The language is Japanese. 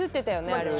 あれはね